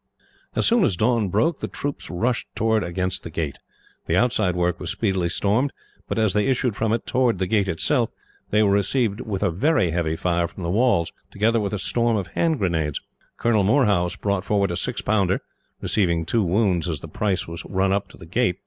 As soon as dawn broke, the troops rushed forward against the gate. The outside work was speedily stormed, but as they issued from it, towards the gate itself, they were received with a very heavy fire from the walls, together with a storm of hand grenades. Colonel Moorhouse brought forward a six pounder, receiving two wounds as the piece was run up to the gate.